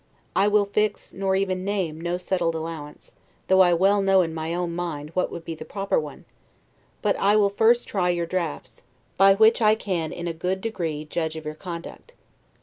I will fix, or even name, no settled allowance; though I well know in my own mind what would be the proper one; but I will first try your draughts, by which I can in a good degree judge of your conduct.